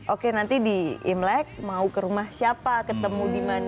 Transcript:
oke nanti di imlek mau ke rumah siapa ketemu di mana